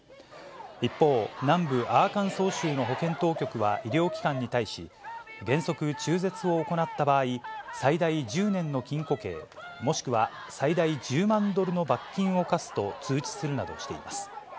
一方、南部アーカンソー州の保健当局は医療機関に対し、原則、中絶を行った場合、最大１０年の禁錮刑、もしくは最大１０万ドルの罰金を科すと通知するなどしています。